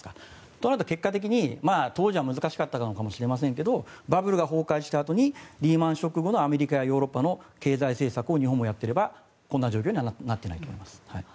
となると結果的に、当時は難しかったのかもしれませんがバブルが崩壊したあとにリーマン・ショック後のアメリカやヨーロッパの経済政策を日本もやっていればこんな状況にはなっていないと思います。